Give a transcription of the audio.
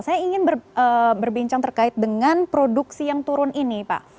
saya ingin berbincang terkait dengan produksi yang turun ini pak